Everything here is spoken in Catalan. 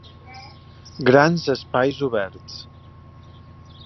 Grans espais oberts.